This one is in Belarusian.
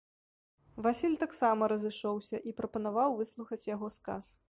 Васіль таксама разышоўся і прапанаваў выслухаць яго сказ.